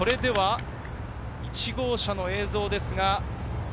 １号車の映像です。